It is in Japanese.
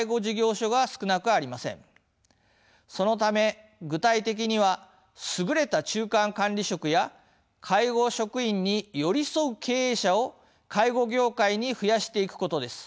そのため具体的には優れた中間管理職や介護職員に寄り添う経営者を介護業界に増やしていくことです。